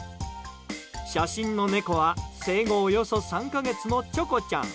写真の猫は、生後およそ３か月のチョコちゃん。